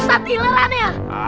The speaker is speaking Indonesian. bau pesing nyumpul ya